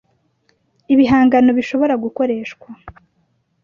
ibihangano bishobora gukoreshwa